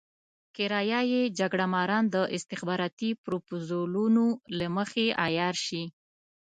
کرايه يي جګړه ماران د استخباراتي پروپوزلونو له مخې عيار شي.